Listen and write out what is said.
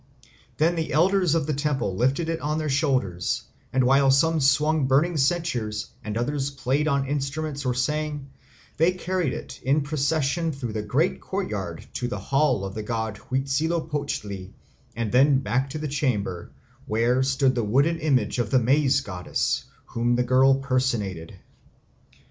Then the elders of the temple lifted it on their shoulders, and while some swung burning censers and others played on instruments or sang, they carried it in procession through the great courtyard to the hall of the god Huitzilopochtli and then back to the chamber, where stood the wooden image of the Maize Goddess, whom the girl personated.